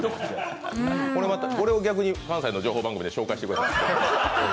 これを逆に関西の情報番組で紹介してください。